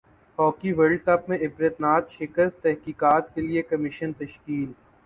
hockey world cup میں عبرتناک شکست تحقیقات کیلئے کمیشن تشکیل